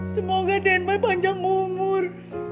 semoga den boy panjang umur